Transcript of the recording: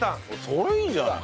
それいいじゃない！